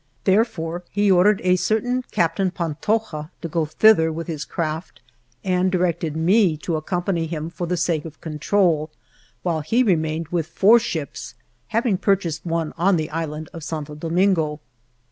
Therefore he ordered a certain Captain Pantoja to go thither with his craft and directed me to accompany him ALVAR NUNEZ CABEZA DE VACA for the sake of control, while he remained with four ships, having purchased one on the Island of Santo Domingo.